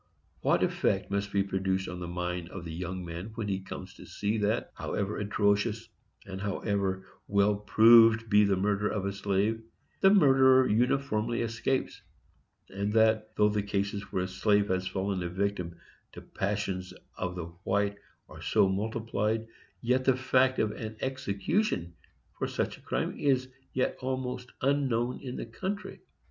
What effect must be produced on the mind of the young man when he comes to see that, however atrocious and however well proved be the murder of a slave, the murderer uniformly escapes; and that, though the cases where the slave has fallen a victim to passions of the white are so multiplied, yet the fact of an execution for such a crime is yet almost unknown in the country?